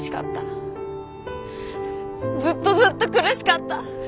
ずっとずっと苦しかった。